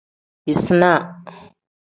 Yisinaa.